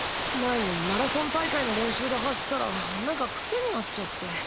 前にマラソン大会の練習で走ったらなんか癖になっちゃって。